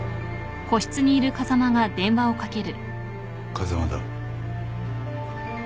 風間だ。